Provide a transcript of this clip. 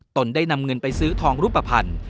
ตนได้นำเงินไปซื้อทองรูปภัณฑ์